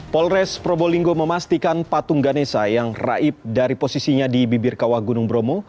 polres probolinggo memastikan patung ganesa yang raib dari posisinya di bibir kawah gunung bromo